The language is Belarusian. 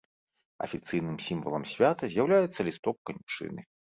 Афіцыйным сімвалам свята з'яўляецца лісток канюшыны.